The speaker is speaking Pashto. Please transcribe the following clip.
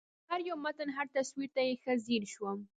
هر یو متن هر تصویر ته یې ښه ځېر شوم